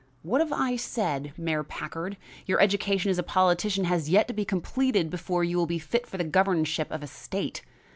What I have said. Mayor Packard, your education as a politician has yet to be completed before you will be fit for the governorship of a state.